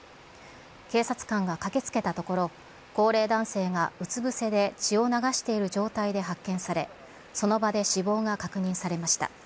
警察官が駆けつけたところ、高齢男性がうつ伏せで血を流している状態で発見され、その場で死亡が確認されました。